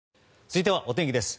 続いては、お天気です。